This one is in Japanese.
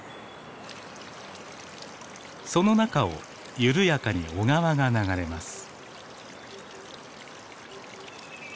その中を緩やかに小川が流れます。